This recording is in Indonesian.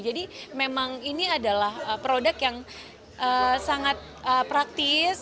jadi memang ini adalah produk yang sangat praktis